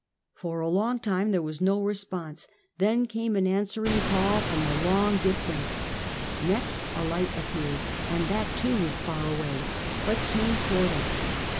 For a long time there was no response; then came an answering call from a long distance, l^ext a light appeared, and that, too, was far awa}^, but came to ward us.